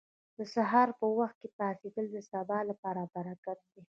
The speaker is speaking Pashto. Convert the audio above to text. • د سهار پر وخت پاڅېدل د سبا لپاره برکت دی.